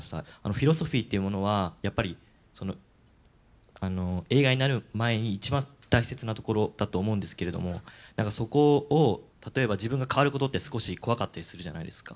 フィロソフィーっていうものはやっぱり映画になる前に一番大切なところだと思うんですけれどもそこを例えば自分が変わる事って少し怖かったりするじゃないですか。